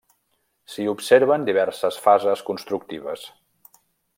S'hi observen diverses fases constructives.